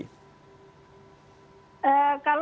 kalau melihat indikator indikatornya